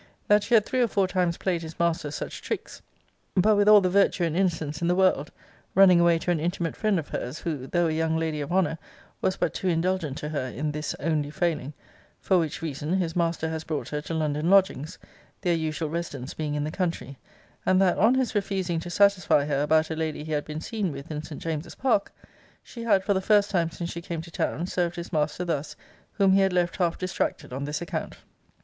That she had three or four times played his master such tricks; but with all the virtue and innocence in the world; running away to an intimate friend of her's, who, though a young lady of honour, was but too indulgent to her in this only failing; for which reason his master has brought her to London lodgings; their usual residence being in the country: and that, on his refusing to satisfy her about a lady he had been seen with in St. James's Park, she had, for the first time since she came to town, served his master thus, whom he had left half distracted on this account.'